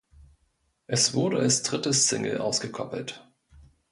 Es wurde als dritte Single ausgekoppelt.